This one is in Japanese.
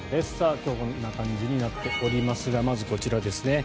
今日はこんな感じになっておりますがまずこちらですね。